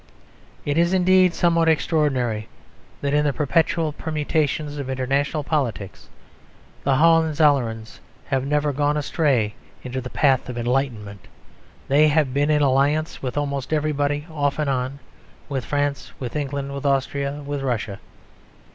It is indeed somewhat extraordinary that in the perpetual permutations of international politics the Hohenzollerns have never gone astray into the path of enlightenment. They have been in alliance with almost everybody off and on; with France, with England, with Austria, with Russia.